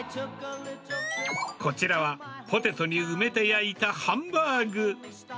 こちらはポテトに埋めて焼いたハンバーグ。